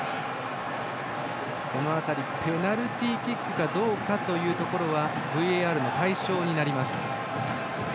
ペナルティーキックかどうかというところはＶＡＲの対象になります。